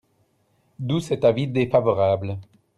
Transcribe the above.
D’où cet avis défavorable.